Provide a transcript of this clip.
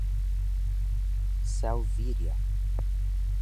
Selvíria